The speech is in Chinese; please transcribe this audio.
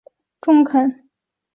宋欣桥认为蔡若莲的建议中肯。